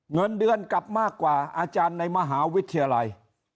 เงินเดือนกลับมากว่าอาจารย์ในมหาวิทยาลัย